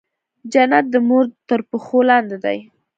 جنت د مور تر پښو لاندې دی